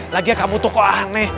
lagian kamu tuh kok aneh